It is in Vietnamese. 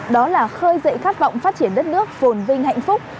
đó là khơi dậy khát vọng phát triển đất nước phồn vinh hạnh phúc